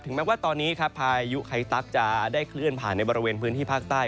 แม้ว่าตอนนี้ครับพายุไคตั๊กจะได้เคลื่อนผ่านในบริเวณพื้นที่ภาคใต้